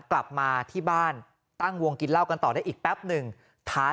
กลับมาที่บ้านตั้งวงกินเหล้ากันต่อได้อีกแป๊บหนึ่งท้า